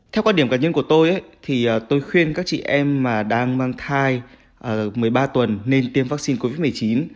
theo quan điểm cá nhân của tôi thì tôi khuyên các chị em mà đang mang thai một mươi ba tuần nên tiêm vaccine covid một mươi chín